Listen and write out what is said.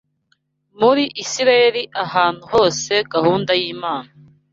Muri Isirayeli ahantu hose gahunda y’Imana